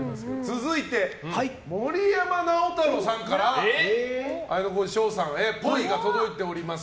続いて森山直太朗さんから綾小路翔へっぽいが届いております。